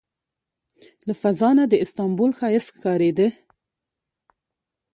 له فضا نه د استانبول ښایست ښکارېده.